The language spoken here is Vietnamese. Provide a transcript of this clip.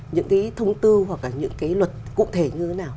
những cái thông tư hoặc là những cái luật cụ thể như thế nào